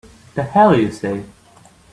The hell you say!